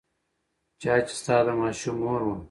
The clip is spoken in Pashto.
چا چې ستا د ماشوم مور وه.